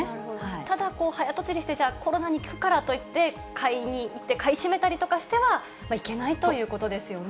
ただ、早とちりして、じゃあ、コロナに効くからといって、買いに行って、買い占めたりしてはいけないということですよね。